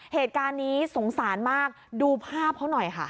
เหตุการณ์นี้สงสารมากดูภาพเขาหน่อยค่ะ